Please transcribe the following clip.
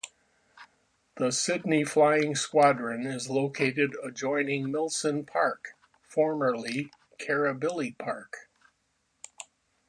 The Sydney Flying Squadron is located adjoining Milson Park, formerly Kirribilli Park.